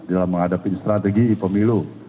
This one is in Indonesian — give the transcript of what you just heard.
dalam menghadapi strategi pemilu